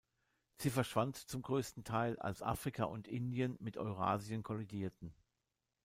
Sie verschwand zum größten Teil, als Afrika und Indien mit Eurasien kollidierten.